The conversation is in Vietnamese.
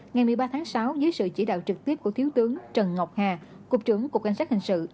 ngày một mươi ba tháng sáu dưới sự chỉ đạo trực tiếp của thiếu tướng trần ngọc hà cục trưởng cục cảnh sát hình sự